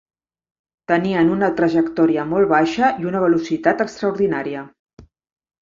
Tenien una trajectòria molt baixa i una velocitat extraordinària